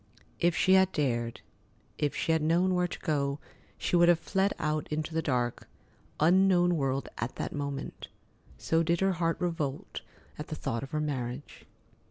If she had dared, if she had known where to go, she would have fled out into the dark, unknown world at that moment, so did her heart revolt at the thought of her marriage.